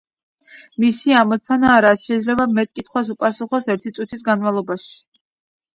მისი ამოცანაა, რაც შეიძლება მეტ კითხვას უპასუხოს ერთი წუთის განმავლობაში.